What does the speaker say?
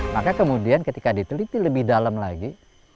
maka kemudian ketika diteliti lebih dalam lagi